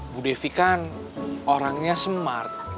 bu devi kan orangnya smart